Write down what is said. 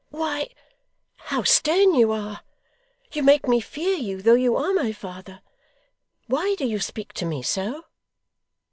'Why, how stern you are! You make me fear you, though you are my father. Why do you speak to me so?